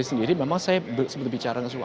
sendiri memang saya sebelum bicara soal